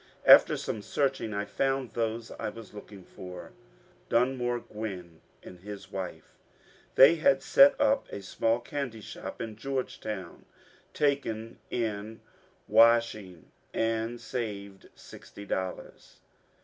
After some searching I found those I was looking for, — Dunmore Gwinn and his wife. They had set up a small candy shop in Georgetown, taken in washing, and saved sixty dollars.